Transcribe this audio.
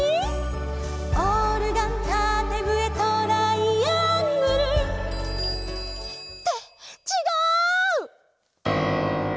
「オルガンたてぶえトライアングル」ってちがう！